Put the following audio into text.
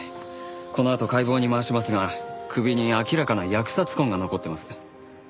このあと解剖に回しますが首に明らかな扼殺痕が残ってます。